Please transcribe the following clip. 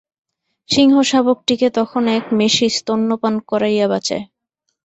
সিংহশাবকটিকে তখন এক মেষী স্তন্য পান করাইয়া বাঁচায়।